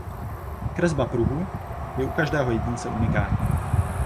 Kresba pruhů je u každého jedince unikátní.